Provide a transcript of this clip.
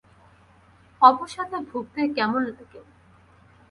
অবসাদে ভুগতে কেমন লাগে?